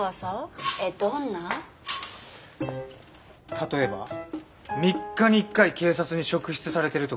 例えば３日に１回警察に職質されてるとか。